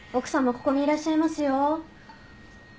ここにいらっしゃいますよ。